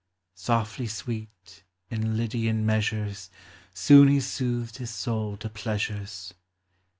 Softly sweet, in Lydian measures, Soon lie soothed his soul to pleasures.